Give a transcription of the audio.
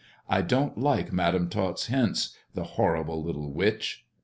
I don't like Madam Tot's hints, the >rrible little witch